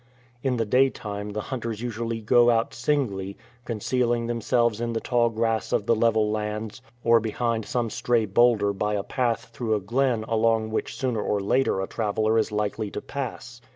In the daytime the hunters usually go out singly, concealing themselves in the tall grass of the level lands, or behind some stray boulder by a path through a glen along which sooner or later a traveller is likely to pass.